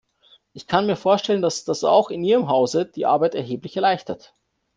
Ich kann mir vorstellen, dass das auch in Ihrem Hause die Arbeit erheblich erleichtert.